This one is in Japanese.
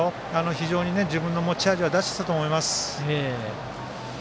非常に自分の持ち味は出したと思います。